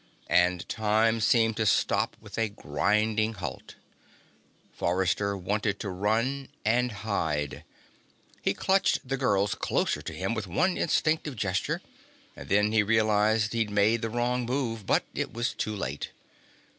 And time seemed to stop with a grinding halt. Forrester wanted to run and hide. He clutched the girls closer to him with one instinctive gesture, and then realized he'd made the wrong move. But it was too late.